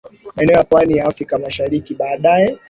maeneo ya Pwani ya Afrika Mashariki Baadaye